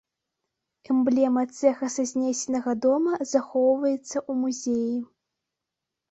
Эмблема цэха са знесенага дома захоўваецца ў музеі.